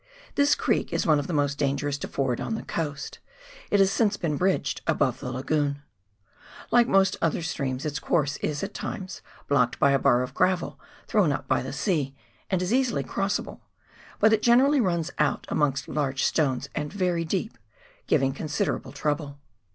This creek is one of the most dangerous to ford on the coast; it has since been bridged above the lagoon. Like most other streams its course is at times blocked by a bar of gravel thrown up by the sea, and is easily crossable ; but it generally runs out amongst large stones and very deep, giving considerable trouble.